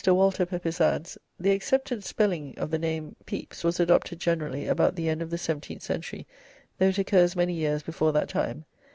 Walter Pepys adds: "The accepted spelling of the name 'Pepys' was adopted generally about the end of the seventeenth century, though it occurs many years before that time.